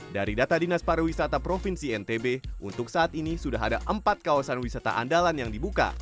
dari data dinas pariwisata provinsi ntb untuk saat ini sudah ada empat kawasan wisata andalan yang dibuka